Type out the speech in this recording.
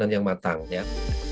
perencanaan yang matang